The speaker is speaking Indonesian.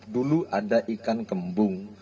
dulu ada ikan kembung